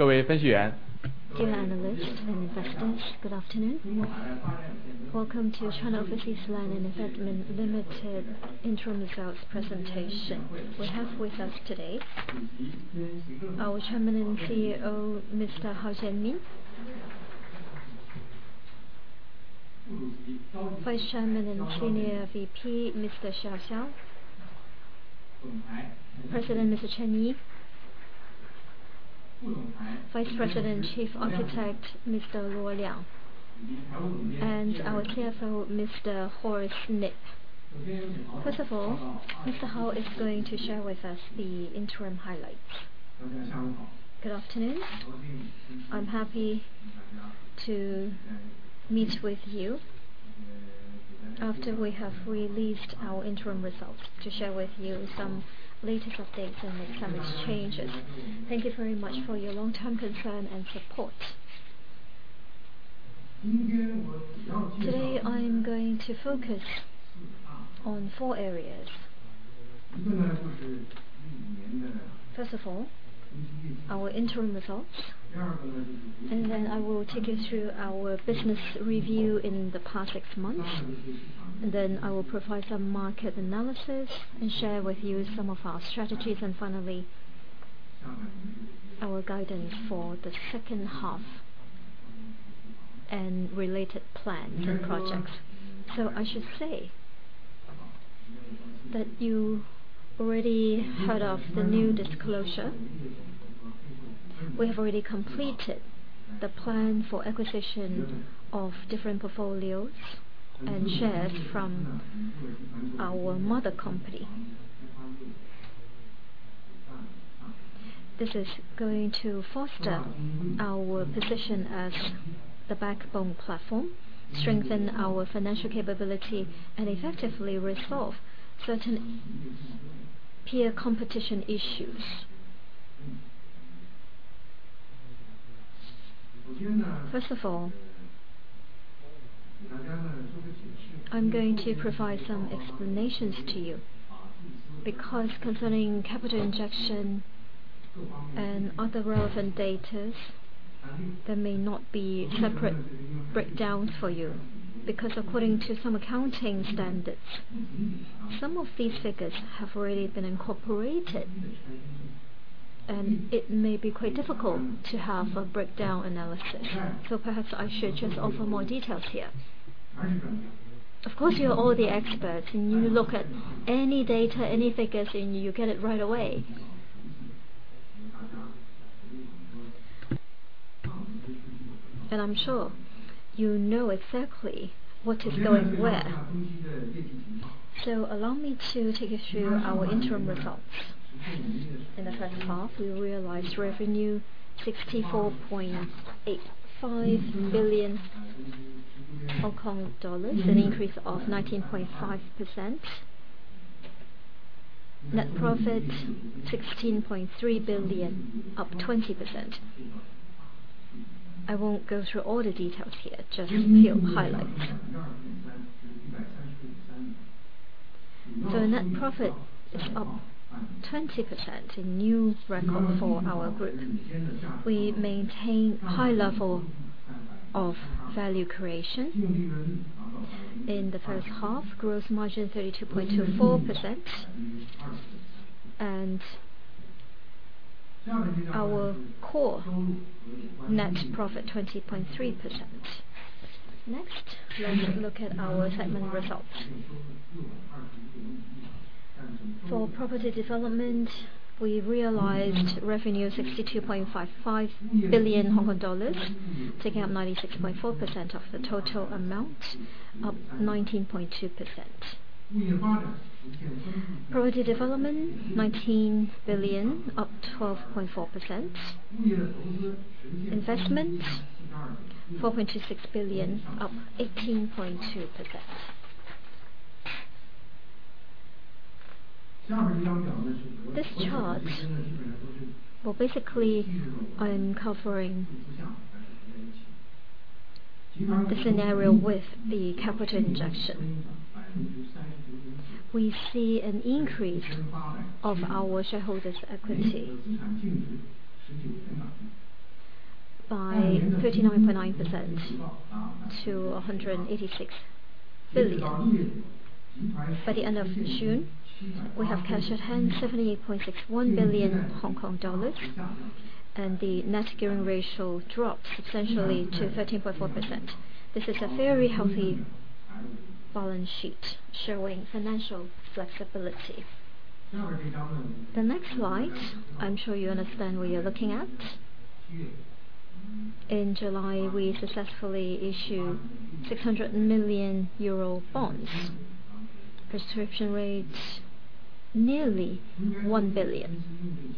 Dear analysts and investors, good afternoon. Welcome to China Overseas Land & Investment Limited interim results presentation. We have with us today our Chairman and CEO, Mr. Hao Jianmin; Vice Chairman and Senior VP, Mr. Xiao Xiao; President, Mr. Chen Yi; Vice President and Chief Architect, Mr. Luo Liang; and our CFO, Mr. Horace Ip. First of all, Mr. Hao is going to share with us the interim highlights. Good afternoon. I'm happy to meet with you after we have released our interim results to share with you some latest updates and make some exchanges. Thank you very much for your long-term concern and support. Today, I'm going to focus on four areas. First of all, our interim results, and then I will take you through our business review in the past six months, and then I will provide some market analysis and share with you some of our strategies, and finally, our guidance for the second half and related plans and projects. I should say that you already heard of the new disclosure. We have already completed the plan for acquisition of different portfolios and shares from our mother company. This is going to foster our position as the backbone platform, strengthen our financial capability, and effectively resolve certain peer competition issues. First of all, I'm going to provide some explanations to you because concerning capital injection and other relevant data, there may not be separate breakdowns for you. According to some accounting standards, some of these figures have already been incorporated, and it may be quite difficult to have a breakdown analysis. Perhaps I should just offer more details here. Of course, you are all the experts, and you look at any data, any figures, and you get it right away. I'm sure you know exactly what is going where. Allow me to take you through our interim results. In the first half, we realized revenue HK$ 64.85 billion, an increase of 19.5%. Net profit, HK$ 16.3 billion, up 20%. I won't go through all the details here, just a few highlights. Net profit is up 20%, a new record for our group. We maintain high level of value creation. In the first half, gross margin 32.24%, and our core net profit 20.3%. Next, let's look at our segment results. For property development, we realized revenue HK$ 62.55 billion, taking up 96.4% of the total amount, up 19.2%. Property development, HK$ 19 billion, up 12.4%. Investment, HK$ 4.26 billion, up 18.2%. This chart, basically, I'm covering the scenario with the capital injection. We see an increase of our shareholders' equity by 39.9% to HK$ 186 billion. By the end of June, we have cash at hand, HK$ 78.61 billion, and the net gearing ratio dropped substantially to 13.4%. This is a very healthy balance sheet showing financial flexibility. The next slide, I'm sure you understand what you're looking at. In July, we successfully issued 600 million EUR bonds. Subscription rates nearly HK$ 1 billion.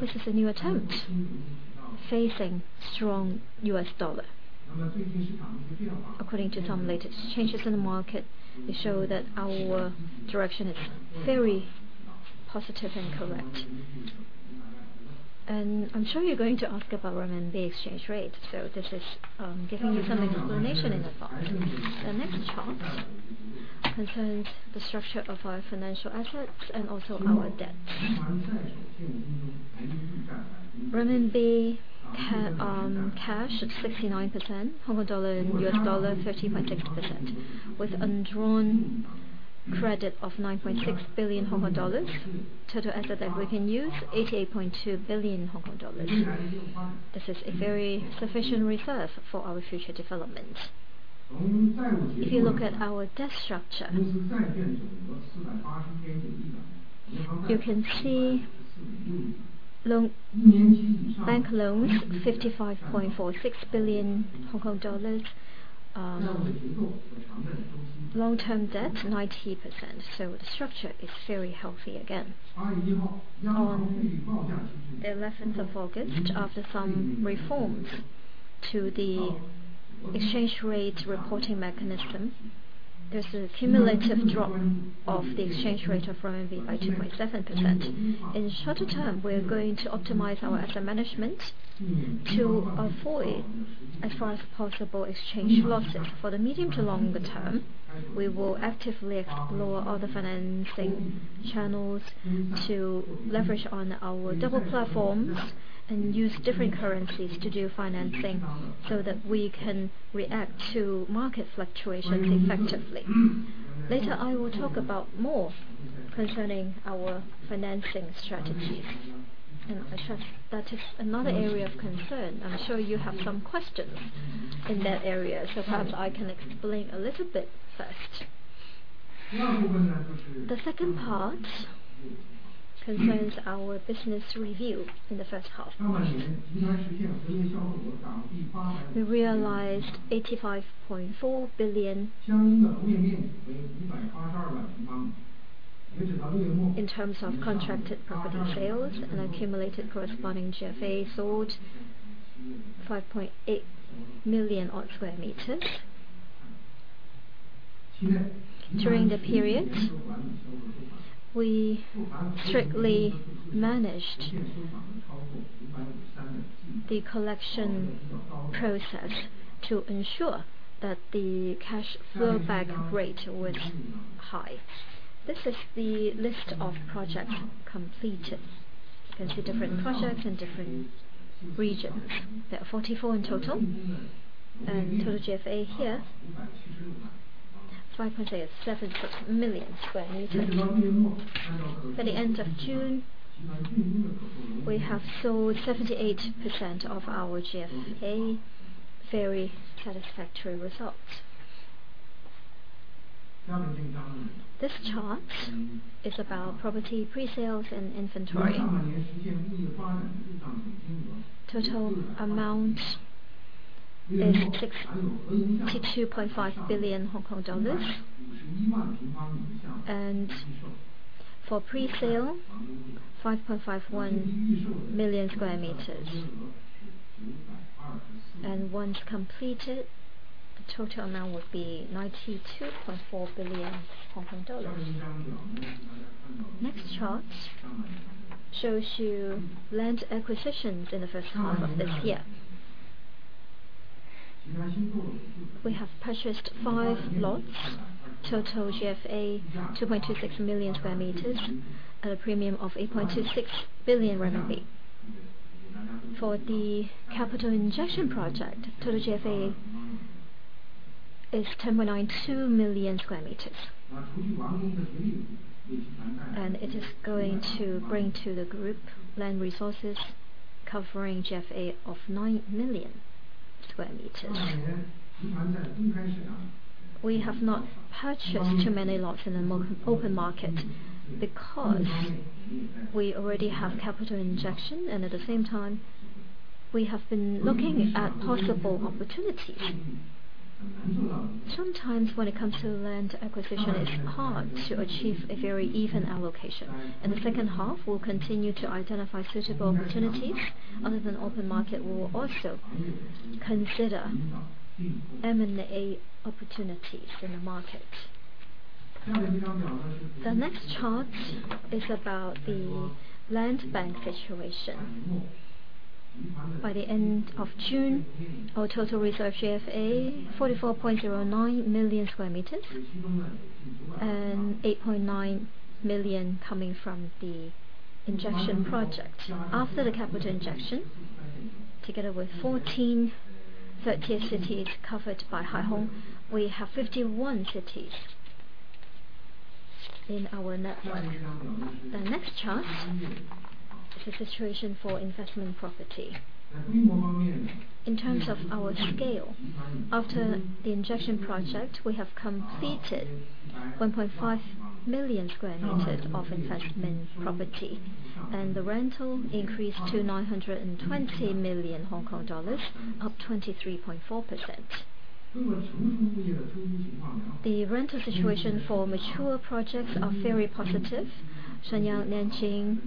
This is a new attempt facing strong US dollar. According to some latest changes in the market, they show that our direction is very positive and correct. I'm sure you're going to ask about renminbi exchange rate. This is giving you some explanation in advance. The next chart concerns the structure of our financial assets and also our debt. CNY cash at 69%, HKD and USD 30.6%, with undrawn credit of 9.6 billion Hong Kong dollars. Total asset that we can use, 88.2 billion Hong Kong dollars. This is a very sufficient reserve for our future development. If you look at our debt structure, you can see bank loans 55.46 billion Hong Kong dollars. Long-term debt 90%. The structure is very healthy again. On the 11th of August, after some reforms to the exchange rate reporting mechanism, there is a cumulative drop of the exchange rate of CNY by 2.7%. In shorter term, we are going to optimize our asset management to avoid, as far as possible, exchange losses. For the medium to longer term, we will actively explore other financing channels to leverage on our dual platforms and use different currencies to do financing so that we can react to market fluctuations effectively. Later I will talk about more concerning our financing strategies. I am sure that is another area of concern. I am sure you have some questions in that area, perhaps I can explain a little bit first. The second part concerns our business review in the first half. We realized 85.4 billion. In terms of contracted property sales and accumulated corresponding GFA sold, 5.8 million odd sq m. During the period, we strictly managed the collection process to ensure that the cash flow back rate was high. This is the list of projects completed. You can see different projects and different regions. There are 44 in total, and total GFA here, 5.876 million sq m. By the end of June, we have sold 78% of our GFA. Very satisfactory results. This chart is about property pre-sales and inventory. Total amount is 62.5 billion Hong Kong dollars, and for pre-sale, 5.51 million sq m. Once completed, the total amount would be 92.4 billion Hong Kong dollars. Next chart shows you land acquisitions in the first half of this year. We have purchased five plots, total GFA 2.26 million sq m at a premium of 8.26 billion RMB. For the capital injection project, total GFA is 10.92 million sq m. It is going to bring to the group land resources covering GFA of 9 million sq m. We have not purchased too many lots in the open market because we already have capital injection, and at the same time, we have been looking at possible opportunities. Sometimes when it comes to land acquisition, it is hard to achieve a very even allocation. In the second half, we will continue to identify suitable opportunities. Other than open market, we will also consider M&A opportunities in the market. The next chart is about the land bank situation. By the end of June, our total reserved GFA, 44.09 million sq m, and 8.9 million sq m coming from the injection project. After the capital injection, together with 14 tier-3 cities covered by Haihong, we have 51 cities in our network. The next chart is the situation for investment property. In terms of our scale, after the injection project, we have completed 1.5 million sq m of investment property, and the rental increased to 920 million Hong Kong dollars, up 23.4%. The rental situation for mature projects are very positive. Shenyang, Nanjing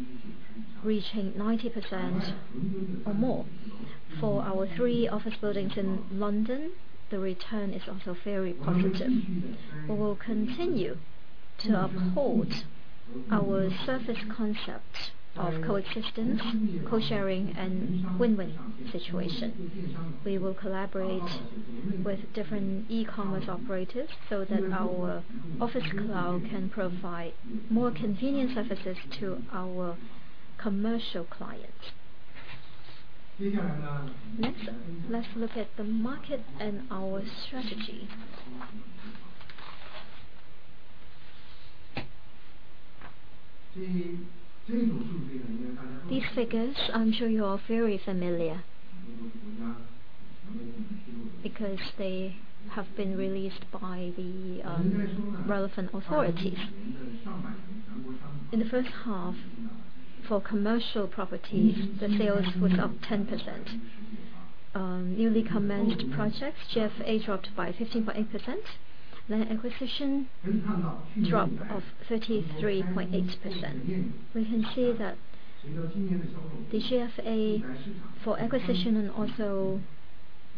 reaching 90% or more. For our three office buildings in London, the return is also very positive. We will continue to uphold our service concepts of coexistence, co-sharing, and win-win situation. We will collaborate with different e-commerce operators so that our office cloud can provide more convenient services to our commercial clients. Next, let's look at the market and our strategy. These figures, I'm sure you are very familiar, because they have been released by the relevant authorities. In the first half, for commercial properties, the sales was up 10%. Newly commenced projects, GFA dropped by 15.8%, land acquisition, drop of 33.8%. We can see that the GFA for acquisition and also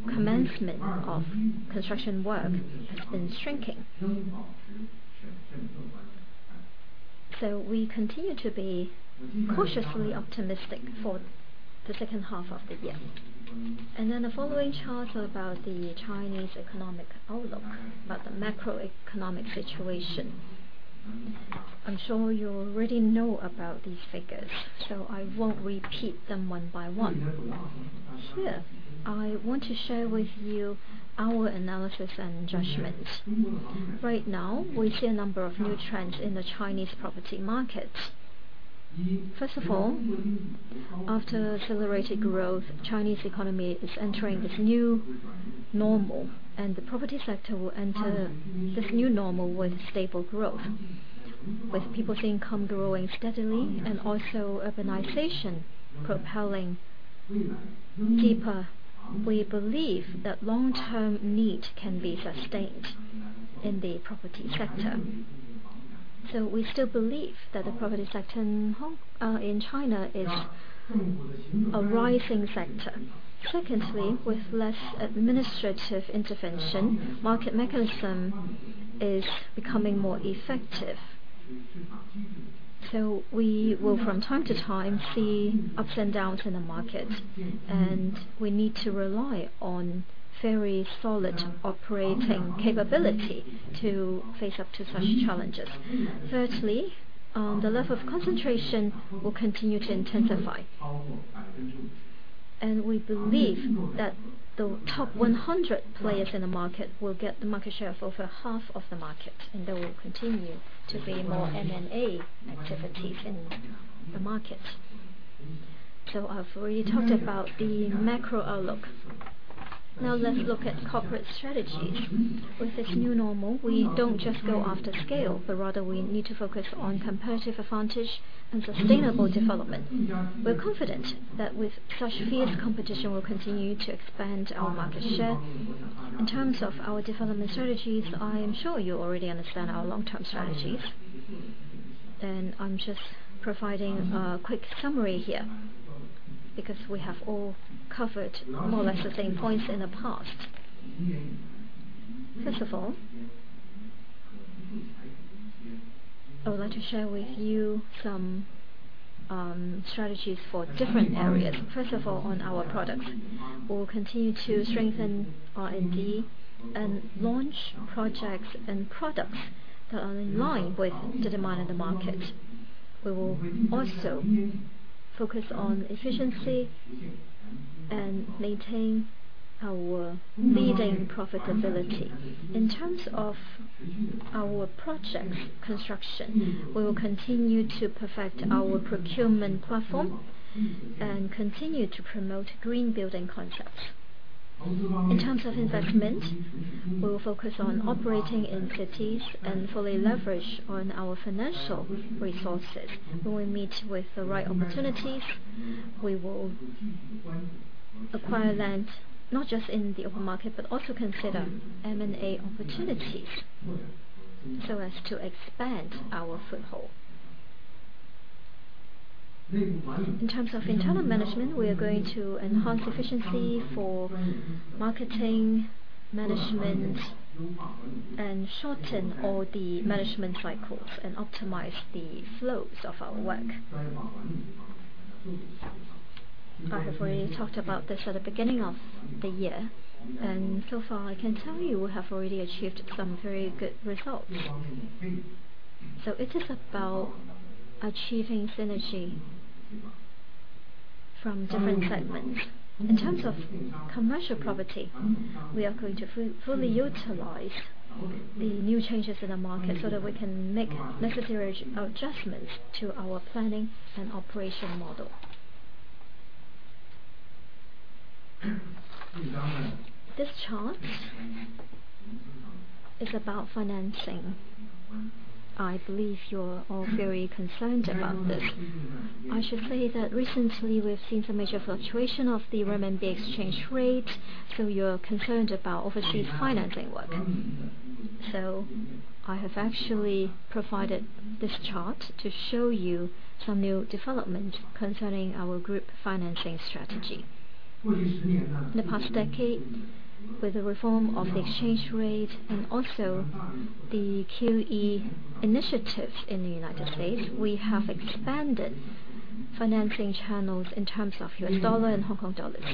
commencement of construction work has been shrinking. We continue to be cautiously optimistic for the second half of the year. The following charts are about the Chinese economic outlook, about the macroeconomic situation. I'm sure you already know about these figures, I won't repeat them one by one. Here, I want to share with you our analysis and judgments. Right now, we see a number of new trends in the Chinese property market. First of all, after accelerated growth, Chinese economy is entering this new normal, and the property sector will enter this new normal with stable growth. With people's income growing steadily and also urbanization propelling deeper, we believe that long-term need can be sustained in the property sector. We still believe that the property sector in China is a rising sector. Secondly, with less administrative intervention, market mechanism is becoming more effective. We will, from time to time, see ups and downs in the market, and we need to rely on very solid operating capability to face up to such challenges. Thirdly, the level of concentration will continue to intensify. We believe that the top 100 players in the market will get the market share of over half of the market, and there will continue to be more M&A activities in the market. I've already talked about the macro outlook. Now let's look at corporate strategies. With this new normal, we don't just go after scale, but rather we need to focus on comparative advantage and sustainable development. We're confident that with such fierce competition, we'll continue to expand our market share. In terms of our development strategies, I am sure you already understand our long-term strategies. I'm just providing a quick summary here, because we have all covered more or less the same points in the past. First of all, I would like to share with you some strategies for different areas. First of all, on our products. We will continue to strengthen R&D and launch projects and products that are in line with the demand in the market. We will also focus on efficiency and maintain our leading profitability. In terms of our projects construction, we will continue to perfect our procurement platform and continue to promote green building concepts. In terms of investment, we will focus on operating in cities and fully leverage on our financial resources. When we meet with the right opportunities, we will acquire land, not just in the open market, but also consider M&A opportunities so as to expand our foothold. In terms of internal management, we are going to enhance efficiency for marketing management and shorten all the management cycles and optimize the flows of our work. I have already talked about this at the beginning of the year, so far I can tell you we have already achieved some very good results. It is about achieving synergy from different segments. In terms of commercial property, we are going to fully utilize the new changes in the market that we can make necessary adjustments to our planning and operation model. This chart is about financing. I believe you're all very concerned about this. I should say that recently we've seen some major fluctuation of the renminbi exchange rate, you're concerned about overseas financing work. I have actually provided this chart to show you some new development concerning our group financing strategy. In the past decade, with the reform of the exchange rate and also the QE initiatives in the U.S., we have expanded financing channels in terms of U.S. dollar and Hong Kong dollars.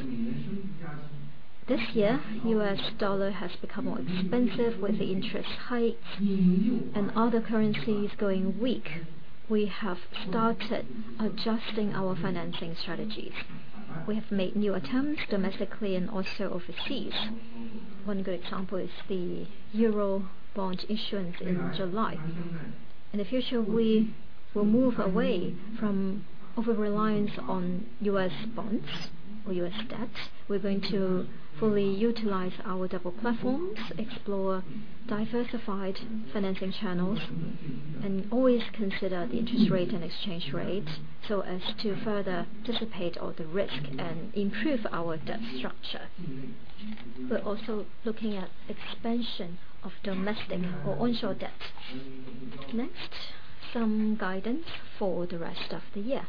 This year, U.S. dollar has become more expensive with the interest hikes and other currencies going weak. We have started adjusting our financing strategies. We have made new attempts domestically and also overseas. One good example is the euro bond issuance in July. In the future, we will move away from over-reliance on U.S. bonds or U.S. debts. We're going to fully utilize our double platforms, explore diversified financing channels, always consider the interest rate and exchange rate, as to further dissipate all the risk and improve our debt structure. We're also looking at expansion of domestic or onshore debt. Next, some guidance for the rest of the year.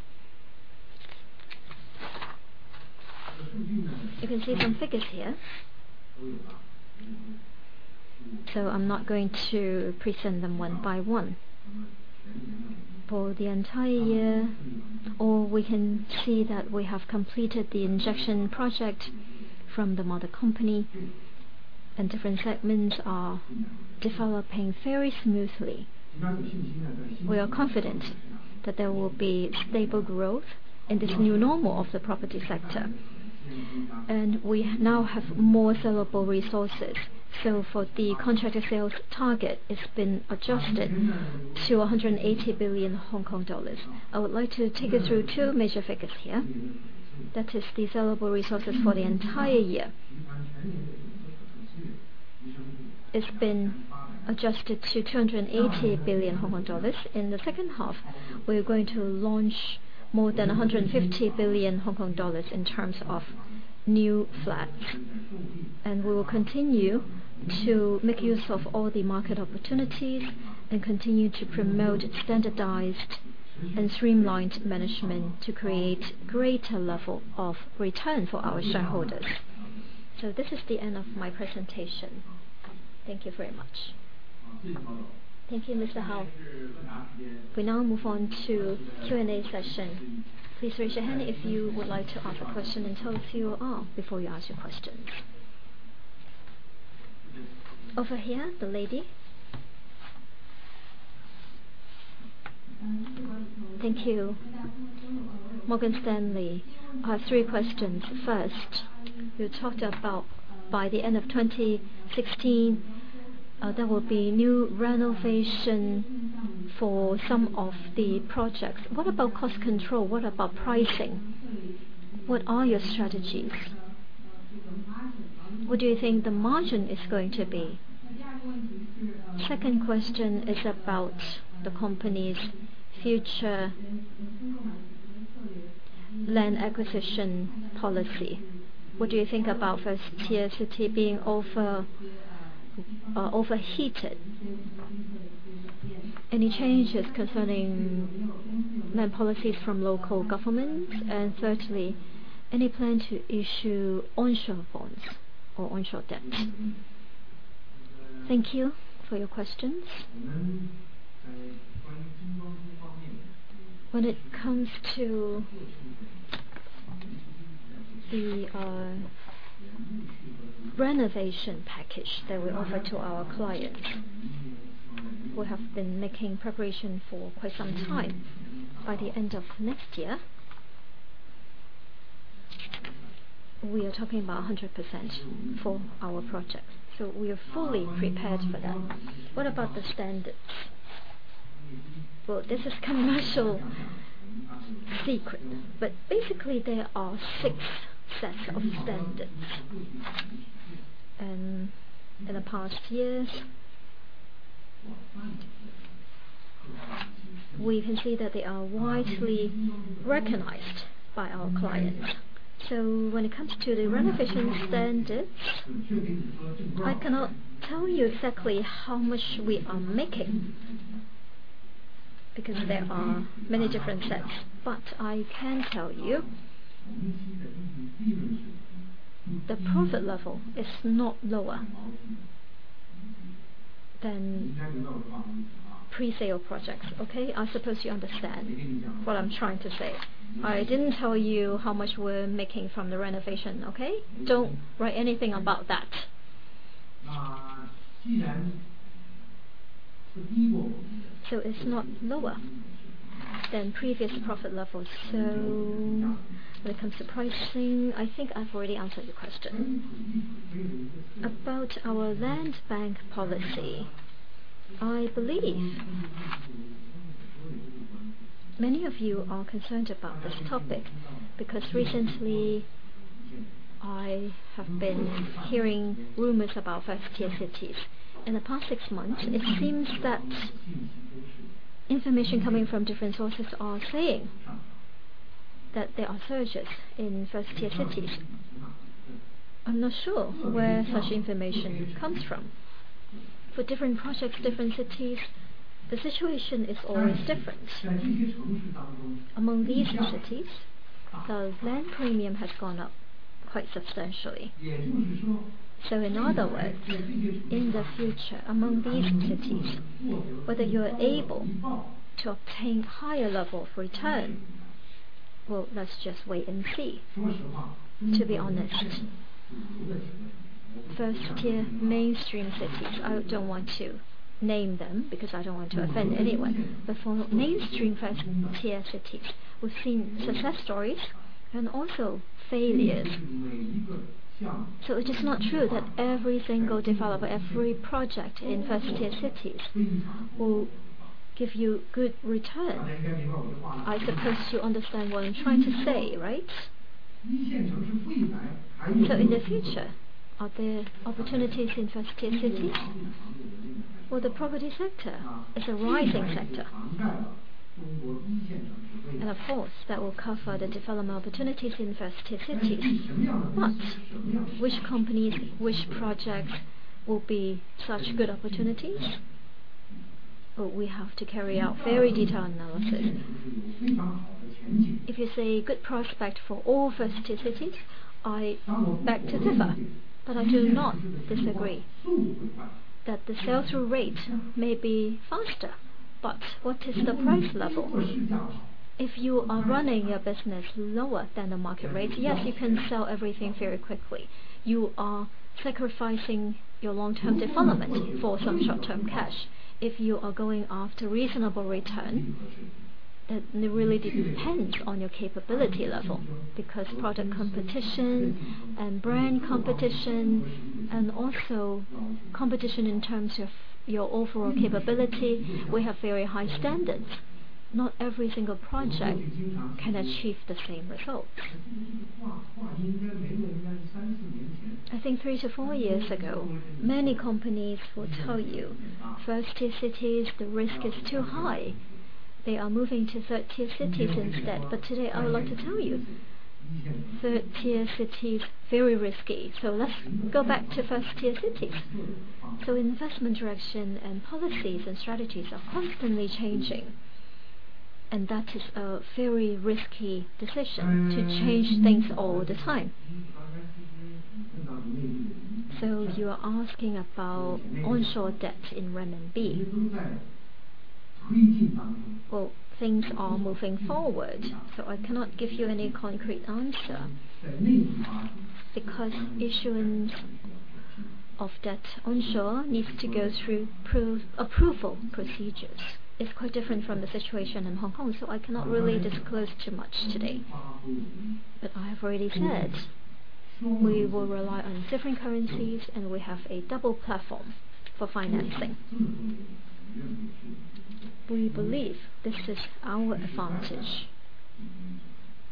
You can see some figures here. I'm not going to present them one by one. For the entire year, all we can see that we have completed the injection project from the mother company, different segments are developing very smoothly. We are confident that there will be stable growth in this new normal of the property sector, we now have more sellable resources. For the contracted sales target, it's been adjusted to 180 billion Hong Kong dollars. I would like to take you through two major figures here. That is the sellable resources for the entire year. It's been adjusted to 280 billion Hong Kong dollars. In the second half, we're going to launch more than 150 billion Hong Kong dollars in terms of new flats. We will continue to make use of all the market opportunities and continue to promote standardized and streamlined management to create greater level of return for our shareholders. This is the end of my presentation. Thank you very much. Thank you, Mr Hao. We now move on to Q&A session. Please raise your hand if you would like to ask a question and tell us who you are before you ask your questions. Over here, the lady. Thank you. Morgan Stanley. I have three questions. First, you talked about by the end of 2016, there will be new renovation for some of the projects. What about cost control? What about pricing? What are your strategies? What do you think the margin is going to be? Second question is about the company's future land acquisition policy. What do you think about first-tier city being overheated? Any changes concerning land policy from local governments? Thirdly, any plan to issue onshore bonds or onshore debts? Thank you for your questions. When it comes to the renovation package that we offer to our clients, we have been making preparation for quite some time. By the end of next year, we are talking about 100% for our projects. We are fully prepared for that. What about the standards? Well, this is commercial secret, but basically there are 6 sets of standards, and in the past years, we can see that they are widely recognized by our clients. When it comes to the renovation standards, I cannot tell you exactly how much we are making because there are many different sets, but I can tell you the profit level is not lower than pre-sale projects. Okay? I suppose you understand what I'm trying to say. I didn't tell you how much we're making from the renovation, okay? Don't write anything about that. It's not lower than previous profit levels. When it comes to pricing, I think I've already answered your question. About our land bank policy, I believe many of you are concerned about this topic, because recently I have been hearing rumors about first-tier cities. In the past six months, it seems that information coming from different sources are saying that there are surges in first-tier cities. I'm not sure where such information comes from. For different projects, different cities, the situation is always different. Among these cities, the land premium has gone up quite substantially. In other words, in the future, among these cities, whether you are able to obtain higher level of return, well, let's just wait and see, to be honest. First-tier mainstream cities, I don't want to name them because I don't want to offend anyone, but for mainstream first-tier cities, we've seen success stories and also failures. It is not true that every single developer, every project in first-tier cities will give you good return. I suppose you understand what I'm trying to say, right? In the future, are there opportunities in first-tier cities? Well, the property sector is a rising sector. Of course, that will cover the development opportunities in first-tier cities. Which companies, which projects will be such good opportunities? Well, we have to carry out very detailed analysis. If you say good prospect for all first-tier cities, I beg to differ, but I do not disagree that the sell-through rate may be faster, but what is the price level? If you are running a business lower than the market rate, yes, you can sell everything very quickly. You are sacrificing your long-term development for some short-term cash. If you are going after reasonable return, it really depends on your capability level, because product competition and brand competition, and also competition in terms of your overall capability, we have very high standards. Not every single project can achieve the same results. I think three to four years ago, many companies will tell you, first-tier cities, the risk is too high. They are moving to third-tier cities instead. Today, I would like to tell you, third-tier cities, very risky. Let's go back to first-tier cities. Investment direction and policies and strategies are constantly changing, and that is a very risky decision to change things all the time. You are asking about onshore debt in renminbi. Things are moving forward. I cannot give you any concrete answer because issuance of debt onshore needs to go through approval procedures. It's quite different from the situation in Hong Kong. I cannot really disclose too much today. I have already said we will rely on different currencies, and we have a dual platform for financing. We believe this is our advantage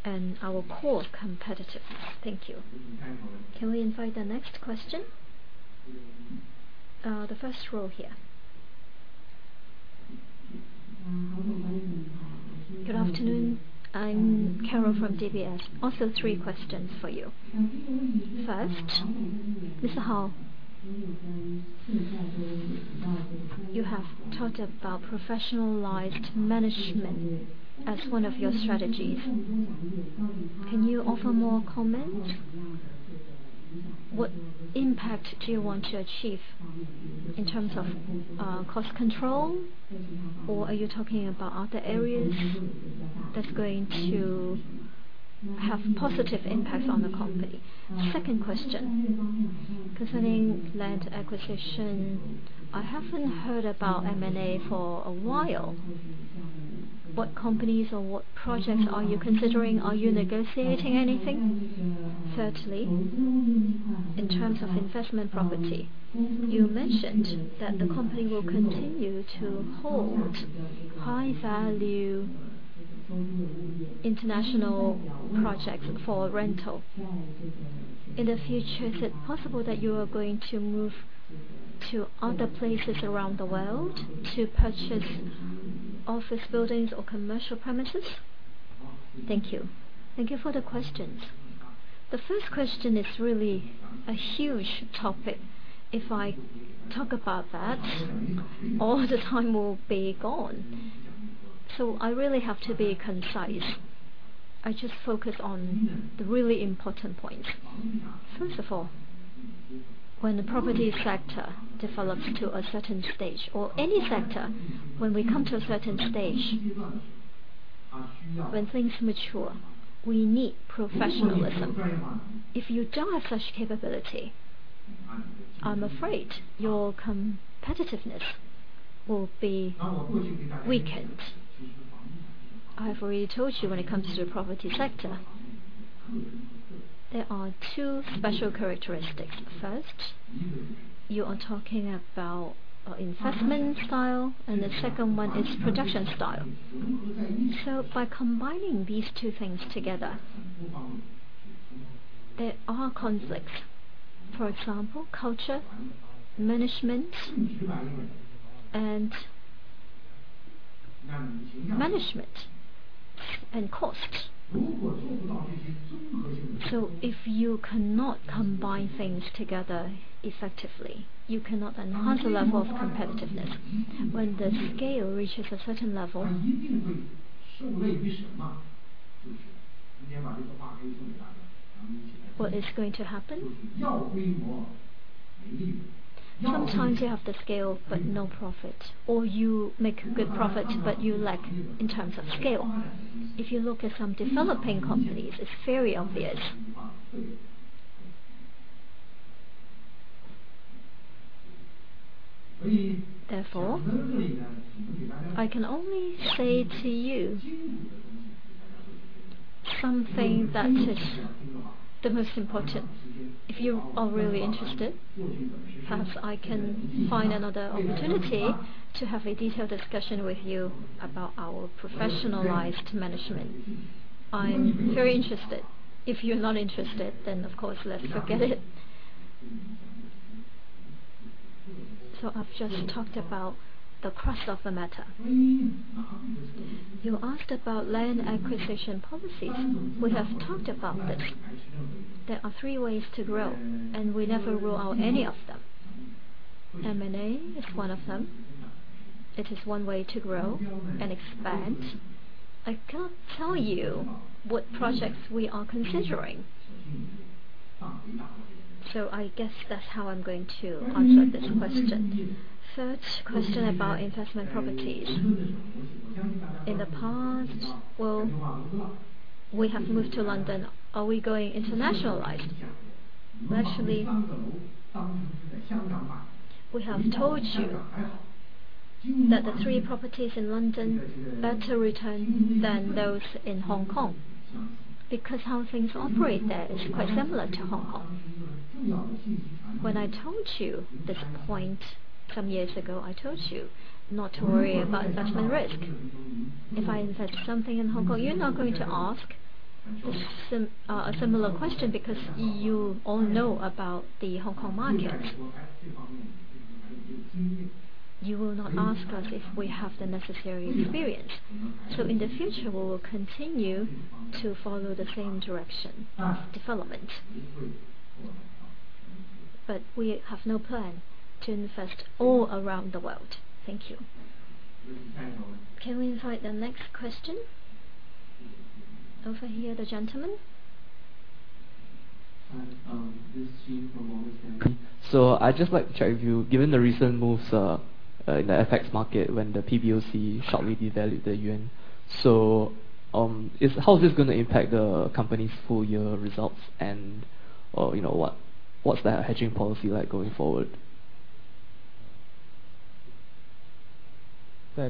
and our core competitiveness. Thank you. Can we invite the next question? The first row here. Good afternoon. I'm Carol from DBS. Three questions for you. First, Mr. Hao, you have talked about professionalized management as one of your strategies. Can you offer more comment? What impact do you want to achieve in terms of cost control? Are you talking about other areas that's going to have positive impacts on the company? Second question, concerning land acquisition. I haven't heard about M&A for a while. What companies or what projects are you considering? Are you negotiating anything? Thirdly, in terms of investment property, you mentioned that the company will continue to hold high-value international projects for rental. In the future, is it possible that you are going to move to other places around the world to purchase office buildings or commercial premises? Thank you. Thank you for the questions. The first question is really a huge topic. If I talk about that, all the time will be gone. I really have to be concise. I just focus on the really important points. First of all, when the property sector develops to a certain stage or any sector, when we come to a certain stage, when things mature, we need professionalism. If you don't have such capability, I'm afraid your competitiveness will be weakened. I've already told you when it comes to the property sector, there are two special characteristics. First, you are talking about investment style, the second one is production style. By combining these two things together, there are conflicts. For example, culture, management, and management and costs. If you cannot combine things together effectively, you cannot enhance the level of competitiveness. When the scale reaches a certain level, what is going to happen? Sometimes you have the scale but no profit, or you make good profit, but you lack in terms of scale. If you look at some developing companies, it's very obvious. Therefore, I can only say to you something that is the most important. If you are really interested, perhaps I can find another opportunity to have a detailed discussion with you about our professionalized management. I'm very interested. If you're not interested, of course, let's forget it. I've just talked about the crux of the matter. You asked about land acquisition policies. We have talked about this. There are three ways to grow, and we never rule out any of them. M&A is one of them. It is one way to grow and expand. I can't tell you what projects we are considering. I guess that's how I'm going to answer this question. Third question about investment properties. In the past, we have moved to London. Are we going internationalized? Actually, we have told you that the three properties in London better return than those in Hong Kong, because how things operate there is quite similar to Hong Kong. When I told you this point some years ago, I told you not to worry about investment risk. If I invest something in Hong Kong, you're not going to ask a similar question because you all know about the Hong Kong market. You will not ask us if we have the necessary experience. In the future, we will continue to follow the same direction of development. We have no plan to invest all around the world. Thank you. Can we invite the next question? Over here, the gentleman. Hi. This is Jim from Morgan Stanley. I'd just like to check with you, given the recent moves in the FX market when the PBOC sharply devalued the yuan. How is this going to impact the company's full-year results, and what's that hedging policy like going forward? Well,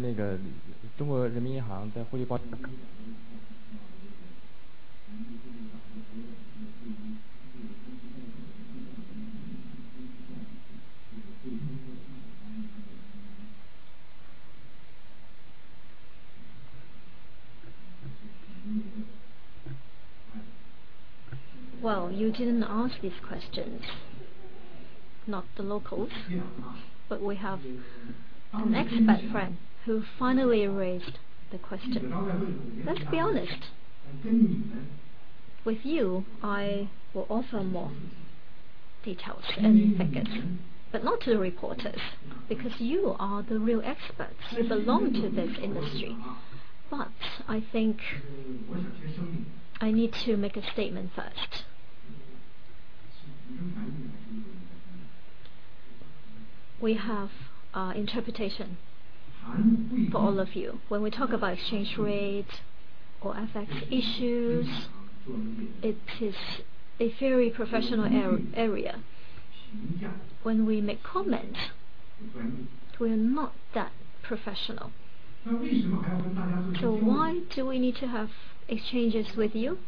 you didn't ask these questions, not the locals. We have an expert friend who finally raised the question. Let's be honest. With you, I will offer more details and figures, but not to the reporters, because you are the real experts. You belong to this industry. I think I need to make a statement first. We have interpretation for all of you. When we talk about exchange rates or FX issues, it is a very professional area. When we make comments, we are not that professional. Why do we need to have exchanges with you?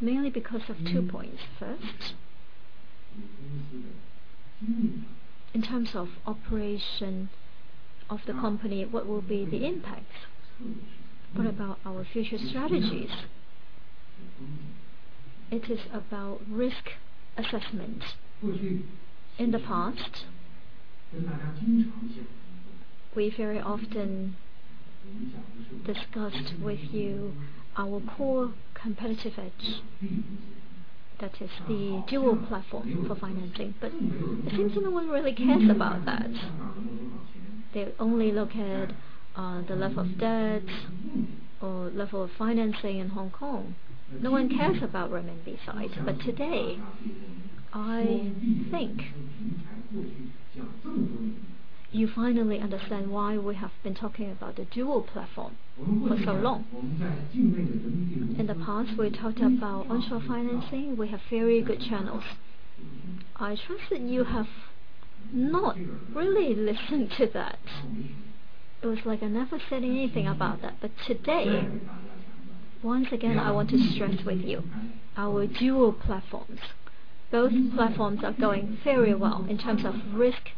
Mainly because of two points. First, in terms of operation of the company, what will be the impact? What about our future strategies? It is about risk assessment. In the past, we very often discussed with you our core competitive edge. That is the dual platform for financing. It seems no one really cares about that. They only look at the level of debts or level of financing in Hong Kong. No one cares about the renminbi side. Today, I think you finally understand why we have been talking about the dual platform for so long. In the past, we talked about onshore financing. We have very good channels. I trust that you have not really listened to that. It was like I never said anything about that. Today, once again, I want to stress with you our dual platforms. Both platforms are going very well. In terms of risk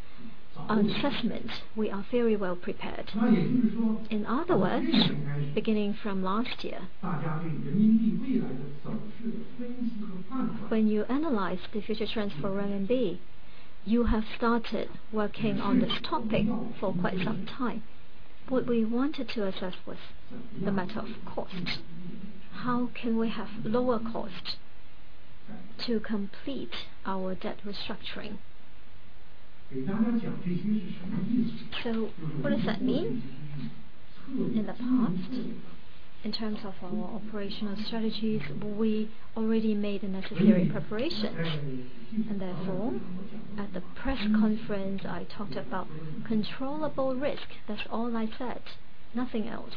assessment, we are very well prepared. In other words, beginning from last year, when you analyze the future trends for renminbi You have started working on this topic for quite some time. What we wanted to assess was the matter of cost. How can we have lower cost to complete our debt restructuring? What does that mean? In the past, in terms of our operational strategies, we already made the necessary preparations. Therefore, at the press conference, I talked about controllable risk. That's all I said. Nothing else.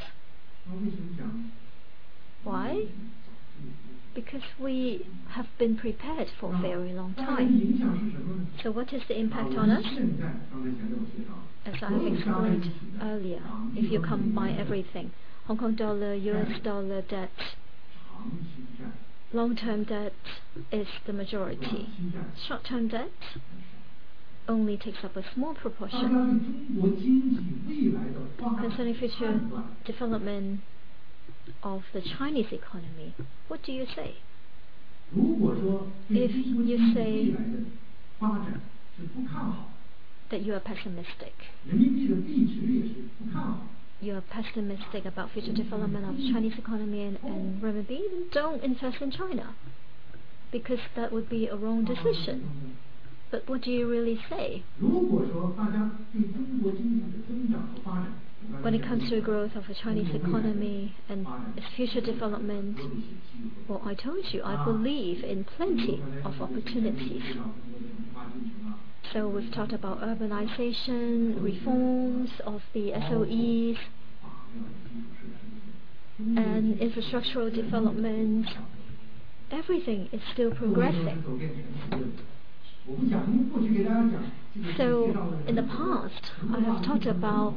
Why? Because we have been prepared for a very long time. What is the impact on us? As I think I pointed earlier, if you combine everything, HKD, USD debt, long-term debt is the majority. Short-term debt only takes up a small proportion. Concerning future development of the Chinese economy, what do you say? If you say that you are pessimistic. You're pessimistic about future development of Chinese economy and renminbi, then don't invest in China, because that would be a wrong decision. What do you really say? When it comes to growth of the Chinese economy and its future development, what I told you, I believe in plenty of opportunities. We have talked about urbanization, reforms of the SOEs, and infrastructural development. Everything is still progressing. In the past, I have talked about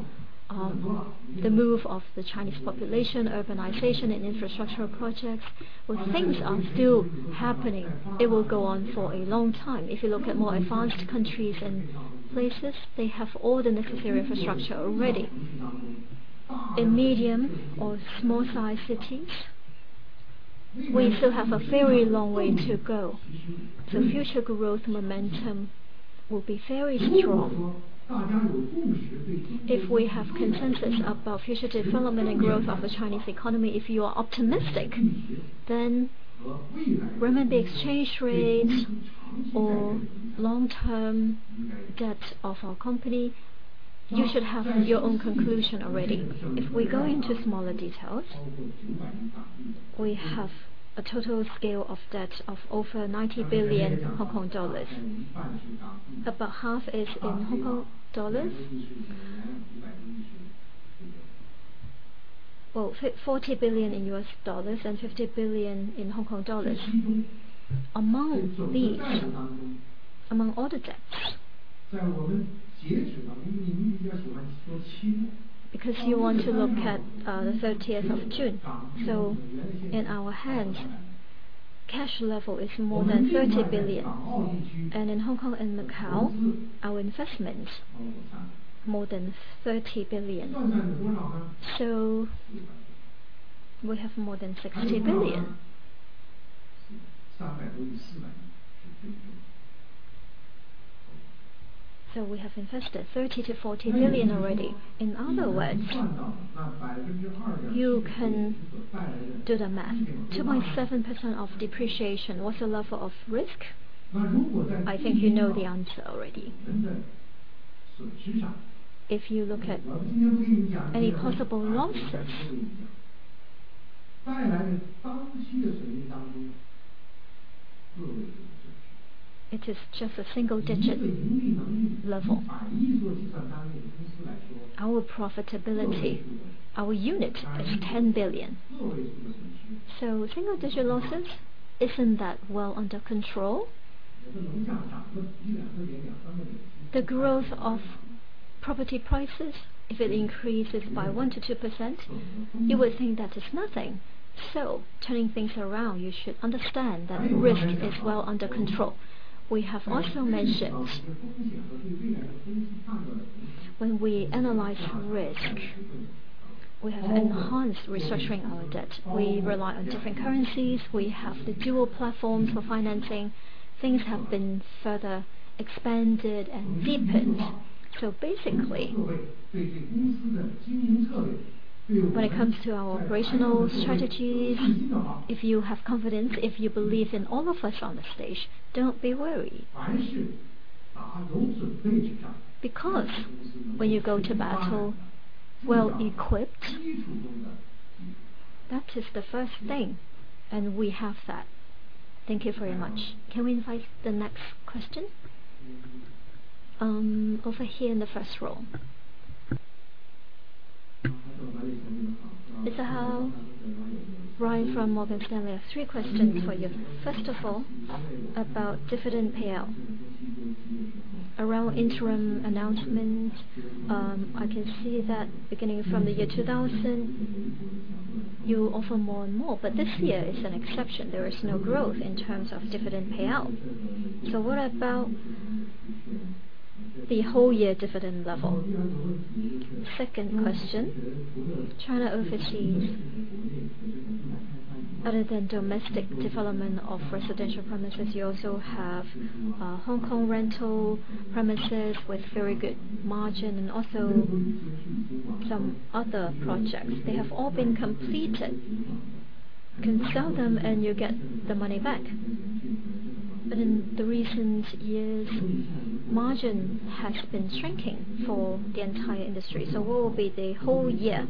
the move of the Chinese population, urbanization, and infrastructural projects. Well, things are still happening. It will go on for a long time. If you look at more advanced countries and places, they have all the necessary infrastructure already. In medium or small-sized cities, we still have a very long way to go. Future growth momentum will be very strong. If we have consensus about future development and growth of the Chinese economy, if you are optimistic, then renminbi exchange rates or long-term debt of our company, you should have your own conclusion already. If we go into smaller details, we have a total scale of debt of over 90 billion Hong Kong dollars. About half is in HKD. Well, $40 billion and HKD 50 billion. Among these, among all the debts. Because you want to look at the 30th of June. In our hands, cash level is more than 30 billion. In Hong Kong and Macau, our investment, more than 30 billion. We have more than 60 billion. We have invested 30 billion to 40 billion already. In other words, you can do the math, 2.7% of depreciation. What's the level of risk? I think you know the answer already. If you look at any possible losses. It is just a single-digit level. Our profitability, our unit is 10 billion. Single-digit losses, isn't that well under control? The growth of property prices, if it increases by 1%-2%, you would think that is nothing. Turning things around, you should understand that risk is well under control. We have also mentioned, when we analyze risk, we have enhanced restructuring our debt. We rely on different currencies. We have the dual platforms for financing. Things have been further expanded and deepened. Basically. When it comes to our operational strategies, if you have confidence, if you believe in all of us on the stage, don't be worried. Because when you go to battle well-equipped, that is the first thing, and we have that. Thank you very much. Can we invite the next question? Over here in the first row. Mr. Hao, Ryan from Morgan Stanley. I have three questions for you. First of all, about dividend payout. Around interim announcement, I can see that beginning from the year 2000, you offer more and more. This year is an exception. There is no growth in terms of dividend payout. What about the whole year dividend level? Second question. China Overseas, other than domestic development of residential premises, you also have Hong Kong rental premises with very good margin and also some other projects. They have all been completed. You can sell them and you get the money back. In the recent years, margin has been shrinking for the entire industry. What will be the whole year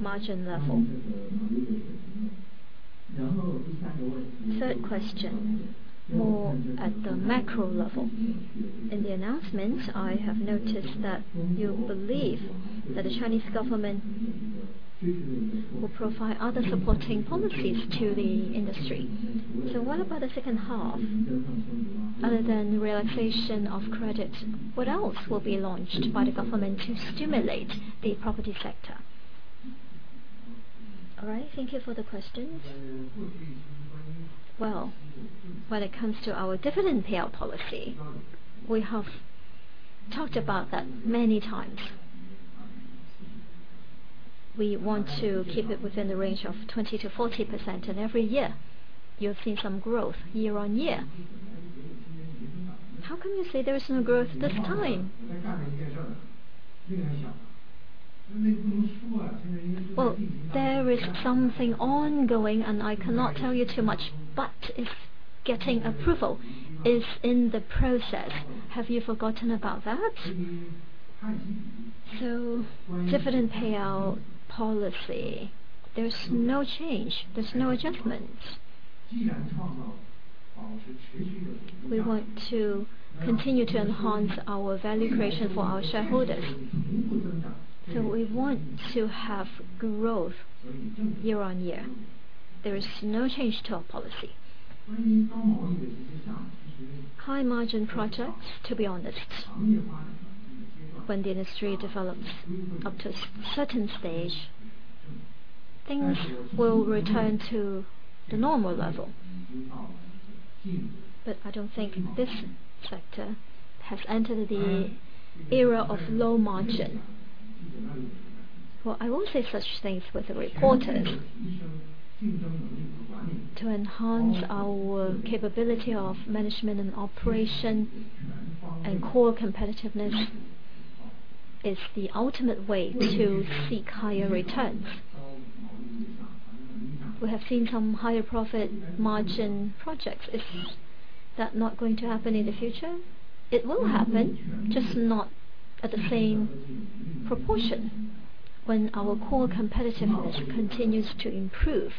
margin level? Third question, more at the macro level. In the announcements, I have noticed that you believe that the Chinese government will provide other supporting policies to the industry. What about the second half, other than relaxation of credit? What else will be launched by the government to stimulate the property sector? All right, thank you for the questions. Well, when it comes to our dividend payout policy, we have talked about that many times. We want to keep it within the range of 20%-40%. Every year you'll see some growth year on year. How come you say there is no growth this time? Well, there is something ongoing. I cannot tell you too much, but it's getting approval, is in the process. Have you forgotten about that? Dividend payout policy, there's no change, there's no adjustments. We want to continue to enhance our value creation for our shareholders. We want to have growth year on year. There is no change to our policy. High margin projects, to be honest, when the industry develops up to a certain stage, things will return to the normal level. I don't think this sector has entered the era of low margin. Well, I won't say such things with the reporters. To enhance our capability of management and operation and core competitiveness is the ultimate way to seek higher returns. We have seen some higher profit margin projects. Is that not going to happen in the future? It will happen, just not at the same proportion when our core competitiveness continues to improve.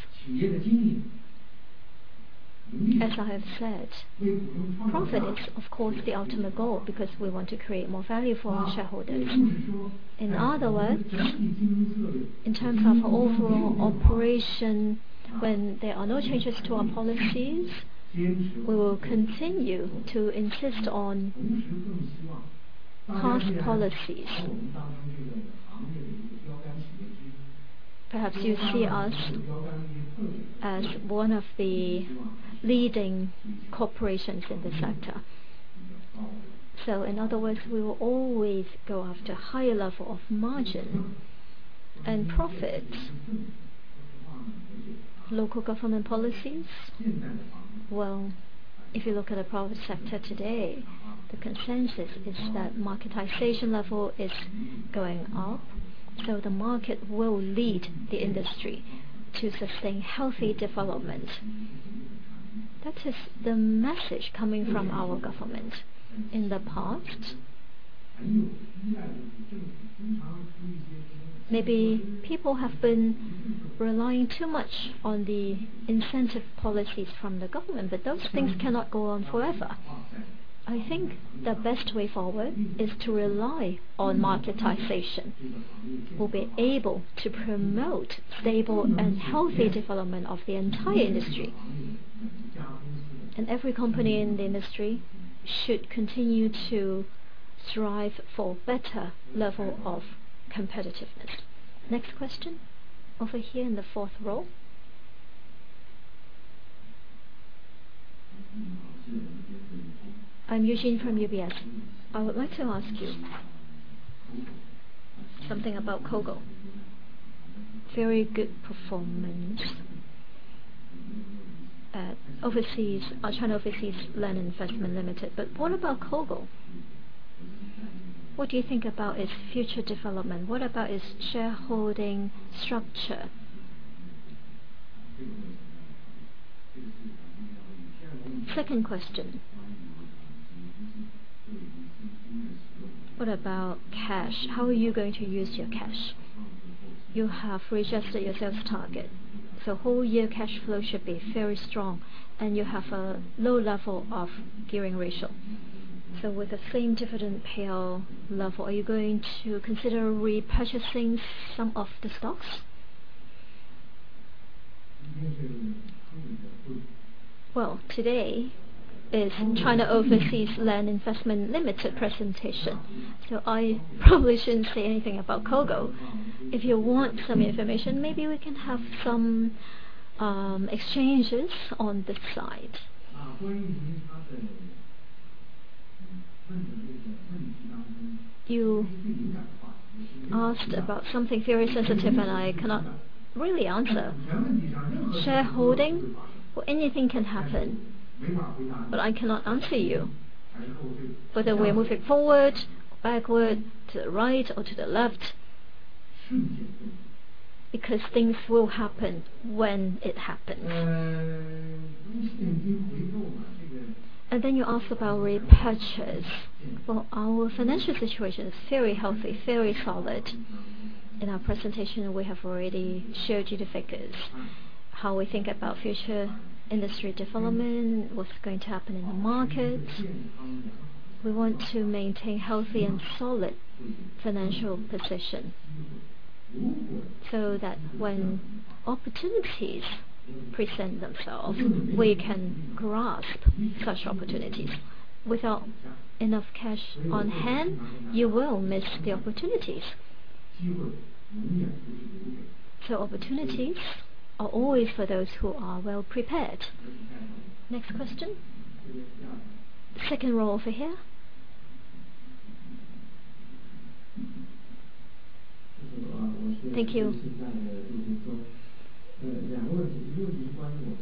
As I have said, profit is of course the ultimate goal, because we want to create more value for our shareholders. In other words, in terms of overall operation, when there are no changes to our policies, we will continue to insist on past policies. Perhaps you see us as one of the leading corporations in the sector. In other words, we will always go after higher level of margin and profit. Local government policies? Well, if you look at the private sector today, the consensus is that marketization level is going up. The market will lead the industry to sustain healthy development. That is the message coming from our government. In the past, maybe people have been relying too much on the incentive policies from the government, but those things cannot go on forever. I think the best way forward is to rely on marketization. We'll be able to promote stable and healthy development of the entire industry. Every company in the industry should continue to strive for better level of competitiveness. Next question, over here in the fourth row. I'm Eugene from UBS. I would like to ask you something about COGO. Very good performance at Overseas, our China Overseas Land & Investment Limited. What about COGO? What do you think about its future development? What about its shareholding structure? Second question. What about cash? How are you going to use your cash? You have registered your sales target, so whole-year cash flow should be very strong, and you have a low level of gearing ratio. With the same dividend payout level, are you going to consider repurchasing some of the stocks? Today is China Overseas Land & Investment Limited presentation, so I probably shouldn't say anything about COGO. If you want some information, maybe we can have some Exchanges on this side. You asked about something very sensitive, and I cannot really answer. Shareholding? Anything can happen. I cannot answer you. Whether we are moving forward, backward, to the right, or to the left, because things will happen when it happens. You asked about repurchase. Our financial situation is very healthy, very solid. In our presentation, we have already showed you the figures, how we think about future industry development, what's going to happen in the market. We want to maintain healthy and solid financial position so that when opportunities present themselves, we can grasp such opportunities. Without enough cash on hand, you will miss the opportunities. Opportunities are always for those who are well-prepared. Next question. Second row over here. Thank you.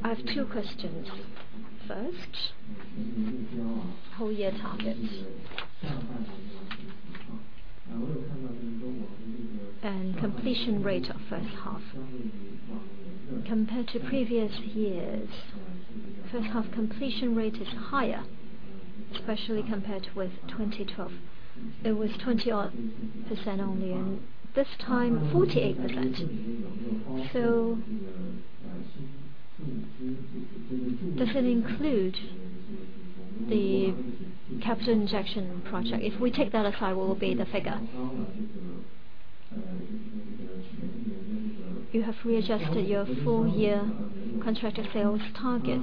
I have two questions. First, whole-year targets and completion rate of first half. Compared to previous years, first half completion rate is higher, especially compared with 2012. It was 20-odd% only, and this time 48%. Does it include the capital injection project? If we take that aside, what will be the figure? You have readjusted your full-year contracted sales target,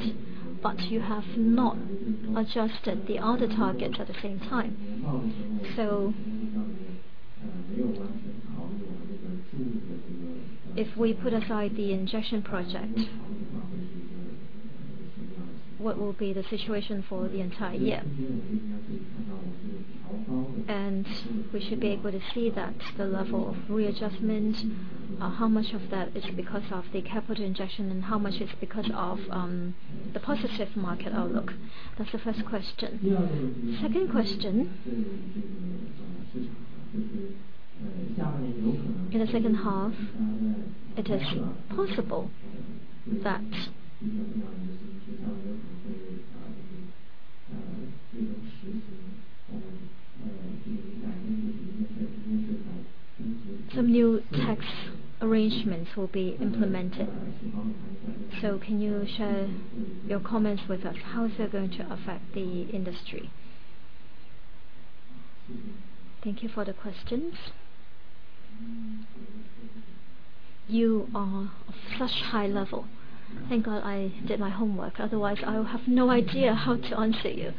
but you have not adjusted the other targets at the same time. If we put aside the injection project, what will be the situation for the entire year? We should be able to see that the level of readjustment, how much of that is because of the capital injection, and how much is because of the positive market outlook? That's the first question. Second question, in the second half, it is possible that some new tax arrangements will be implemented. Can you share your comments with us? How is that going to affect the industry? Thank you for the questions. You are of such high level. Thank God I did my homework, otherwise I would have no idea how to answer you.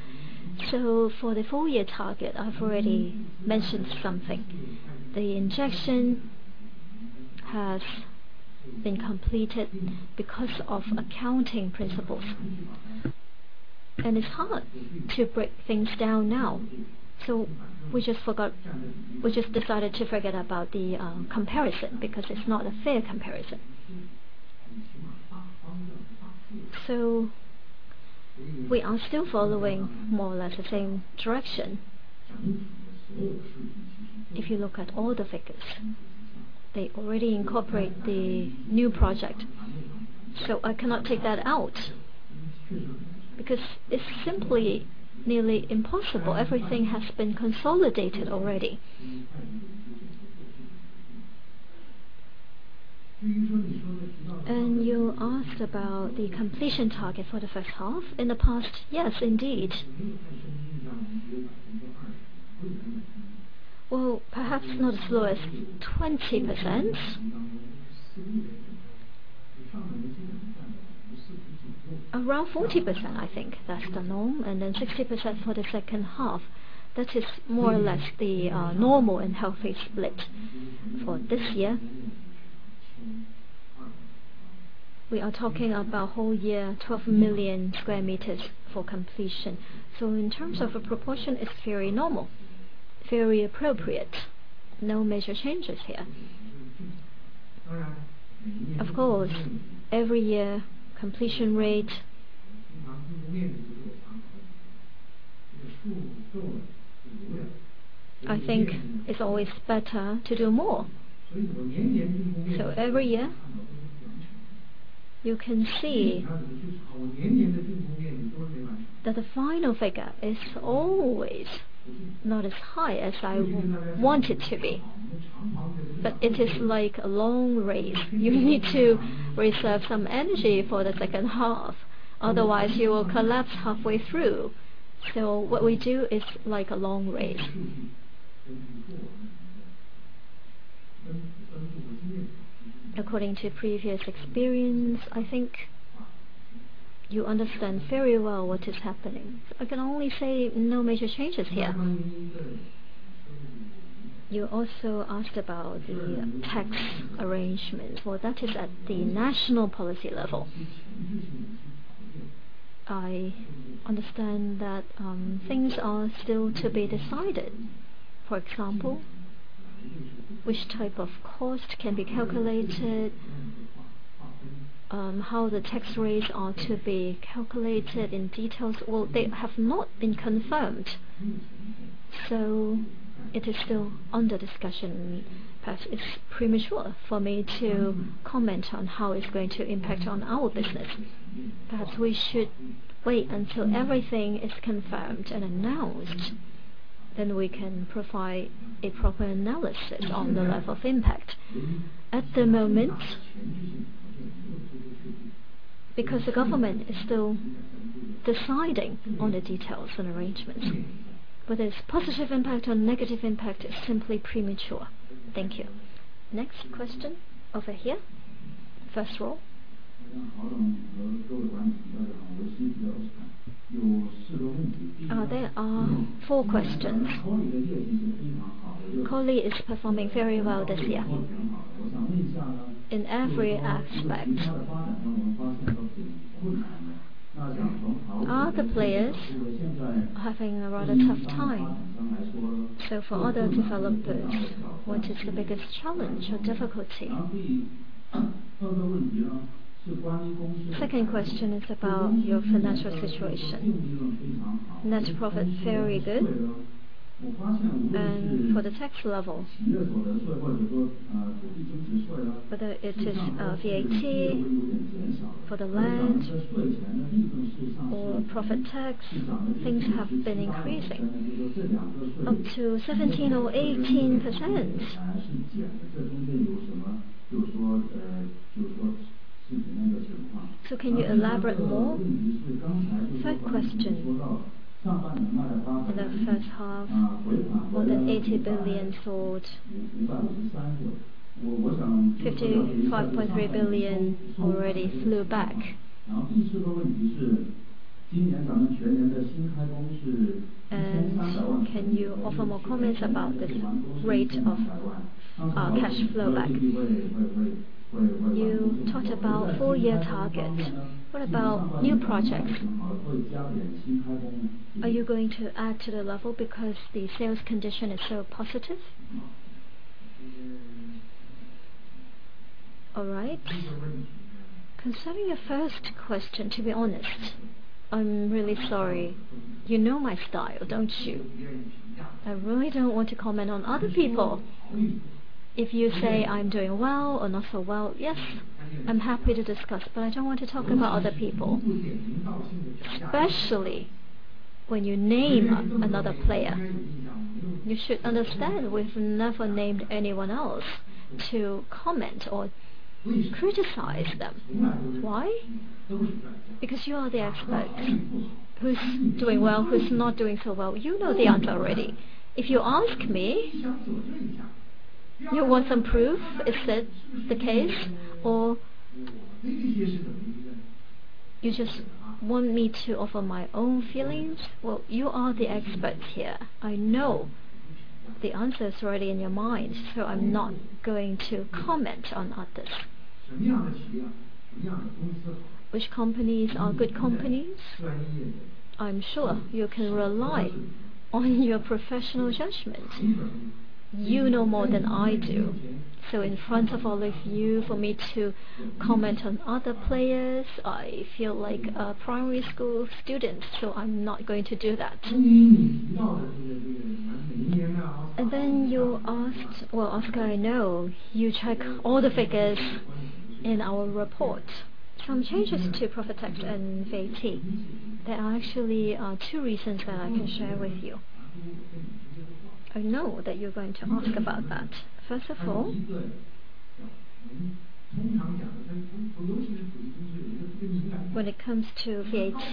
For the full-year target, I've already mentioned something. The injection has been completed because of accounting principles, and it's hard to break things down now. We just decided to forget about the comparison because it's not a fair comparison. We are still following more or less the same direction. If you look at all the figures, they already incorporate the new project, so I cannot take that out because it's simply nearly impossible. Everything has been consolidated already. You asked about the completion target for the first half. In the past, yes, indeed. Perhaps not as low as 20%. Around 40%, I think that's the norm. 60% for the second half. That is more or less the normal and healthy split for this year. We are talking about whole year, 12 million sq m for completion. In terms of a proportion, it's very normal, very appropriate. No major changes here. Of course, every year completion rate, I think it's always better to do more. Every year, you can see that the final figure is always not as high as I want it to be. It is like a long race. You need to reserve some energy for the second half, otherwise you will collapse halfway through. What we do is like a long race. According to previous experience, I think you understand very well what is happening. I can only say no major changes here. You also asked about the tax arrangement. Well, that is at the national policy level. I understand that things are still to be decided. For example, which type of cost can be calculated, how the tax rates are to be calculated in details. Well, they have not been confirmed, it is still under discussion. Perhaps it's premature for me to comment on how it's going to impact on our business. Perhaps we should wait until everything is confirmed and announced, then we can provide a proper analysis on the level of impact. At the moment, because the government is still deciding on the details and arrangements, whether it's positive impact or negative impact, it's simply premature. Thank you. Next question, over here. First row. There are four questions. COLI is performing very well this year in every aspect. Other players are having a rather tough time. For other developers, what is the biggest challenge or difficulty? Second question is about your financial situation. net profit is very good. For the tax level, whether it is VAT for the land or profit tax, things have been increasing up to 17% or 18%. Can you elaborate more? Third question. In that first half, more than 80 billion sold, 55.3 billion already flew back. Can you offer more comments about this rate of cash flow back? You talked about full-year targets. What about new projects? Are you going to add to the level because the sales condition is so positive? All right. Concerning your first question, to be honest, I'm really sorry. You know my style, don't you? I really don't want to comment on other people. If you say I'm doing well or not so well, yes, I'm happy to discuss, but I don't want to talk about other people, especially when you name another player. You should understand we've never named anyone else to comment or criticize them. Why? Because you are the expert. Who's doing well, who's not doing so well? You know the answer already. If you ask me, you want some proof, is it the case, or you just want me to offer my own feelings? Well, you are the expert here. I know the answer is already in your mind, I'm not going to comment on others. Which companies are good companies? I'm sure you can rely on your professional judgment. You know more than I do. In front of all of you, for me to comment on other players, I feel like a primary school student, I'm not going to do that. Then you asked Well, Oscar, I know you check all the figures in our report. Some changes to profit tax and VAT. There are actually two reasons that I can share with you. I know that you're going to ask about that. First of all, when it comes to VAT,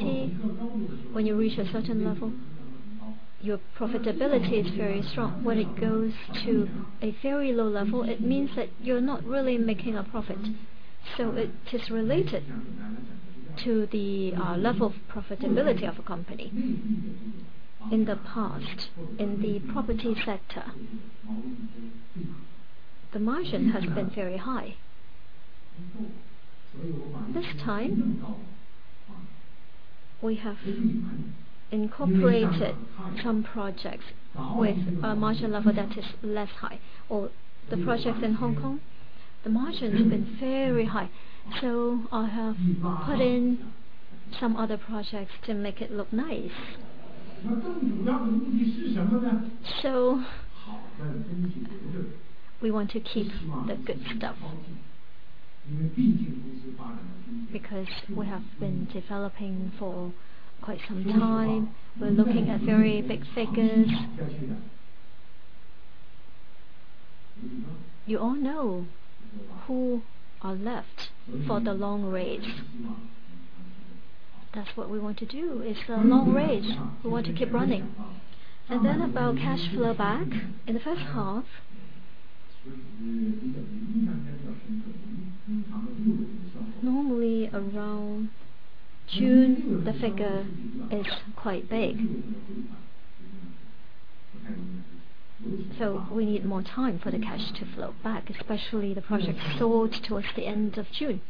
when you reach a certain level, your profitability is very strong. When it goes to a very low level, it means that you're not really making a profit. It is related to the level of profitability of a company. In the past, in the property sector, the margin has been very high. This time, we have incorporated some projects with a margin level that is less high, or the projects in Hong Kong, the margins have been very high. I have put in some other projects to make it look nice. We want to keep the good stuff because we have been developing for quite some time. We're looking at very big figures. You all know who are left for the long race. That's what we want to do. It's a long race. We want to keep running. About cash flow back. In the first half. Normally around June, the figure is quite big. We need more time for the cash to flow back, especially the projects sold towards the end of June.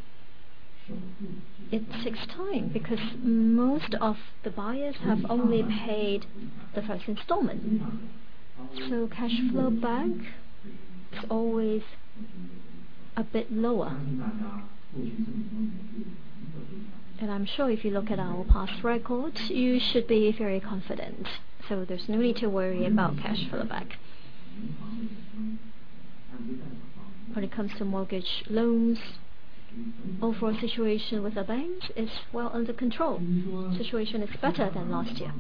It takes time because most of the buyers have only paid the first installment. Cash flow back is always a bit lower. I'm sure if you look at our past records, you should be very confident, so there's no need to worry about cash flow back. When it comes to mortgage loans, overall situation with the banks is well under control. Situation is better than last year.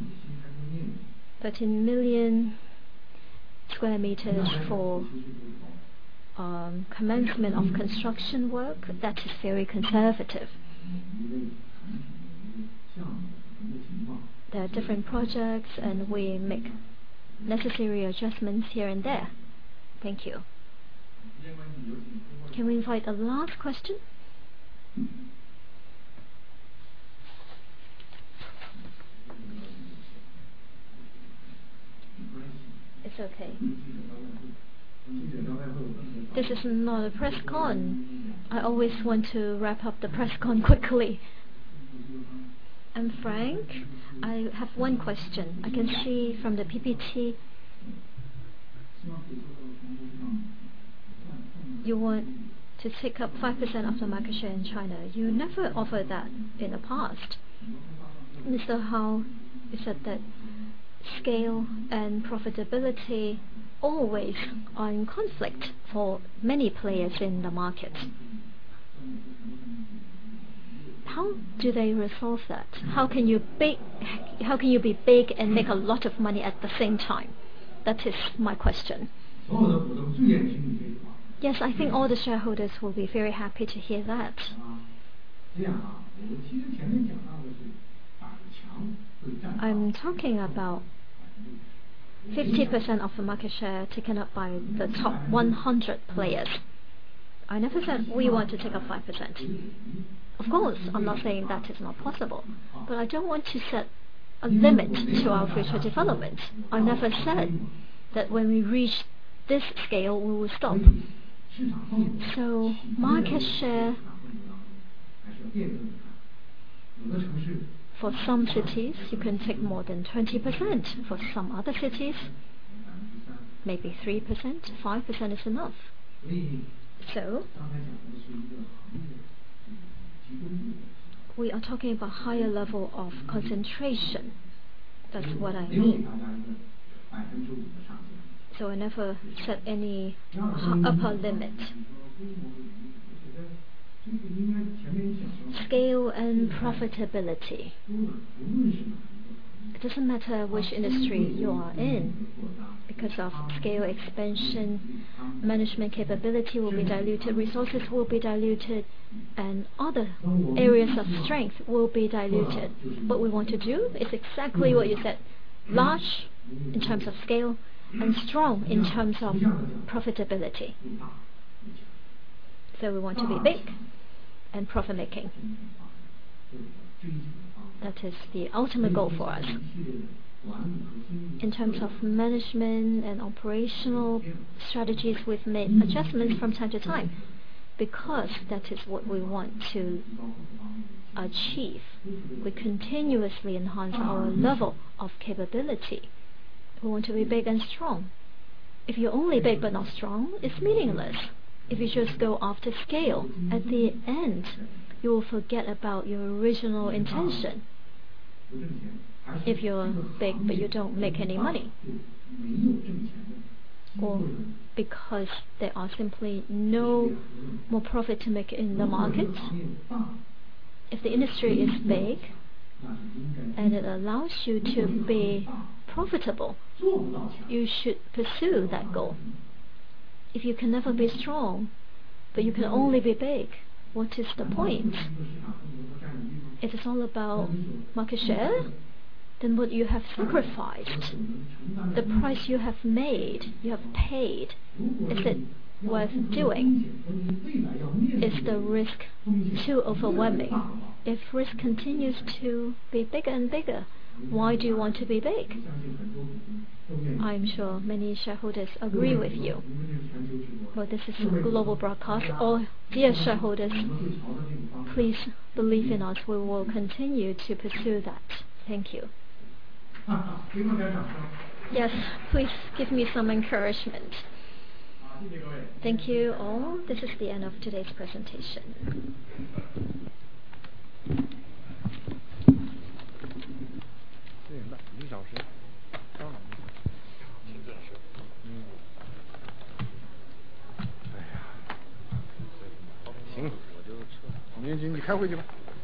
13 million sq m for commencement of construction work, that is very conservative. There are different projects, and we make necessary adjustments here and there. Thank you. Can we invite the last question? It's okay. This is not a press con. I always want to wrap up the press con quickly. Frank, I have one question. I can see from the PPT you want to take up 5% of the market share in China. You never offered that in the past. Mr. Hao said that scale and profitability always are in conflict for many players in the market. How do they resolve that? How can you be big and make a lot of money at the same time? That is my question. Yes, I think all the shareholders will be very happy to hear that. I'm talking about 50% of the market share taken up by the top 100 players. I never said we want to take up 5%. Of course, I'm not saying that is not possible, but I don't want to set a limit to our future development. I never said that when we reach this scale, we will stop. Market share, for some cities, you can take more than 20%. For some other cities, maybe 3%, 5% is enough. We are talking about higher level of concentration. That's what I mean. I never set any upper limit. Scale and profitability. It doesn't matter which industry you are in. Because of scale expansion, management capability will be diluted, resources will be diluted, and other areas of strength will be diluted. What we want to do is exactly what you said, large in terms of scale and strong in terms of profitability. We want to be big and profit making. That is the ultimate goal for us. In terms of management and operational strategies, we've made adjustments from time to time because that is what we want to achieve. We continuously enhance our level of capability. We want to be big and strong. If you're only big but not strong, it's meaningless. If you just go after scale, at the end, you will forget about your original intention. If you're big, but you don't make any money, or because there are simply no more profit to make in the market. If the industry is big and it allows you to be profitable, you should pursue that goal. If you can never be strong, but you can only be big, what is the point? If it's all about market share, then what you have sacrificed, the price you have paid, is it worth doing? Is the risk too overwhelming? If risk continues to be bigger and bigger, why do you want to be big? I'm sure many shareholders agree with you. Well, this is a global broadcast. Oh, dear shareholders, please believe in us. We will continue to pursue that. Thank you. Yes. Please give me some encouragement. Thank you, all. This is the end of today's presentation.